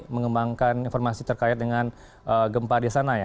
mengembangkan informasi terkait dengan gempa di sana ya